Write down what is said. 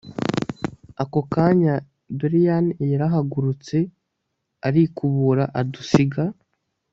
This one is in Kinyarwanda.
Ako kanya doliane yarahagurutse arikubura adusiga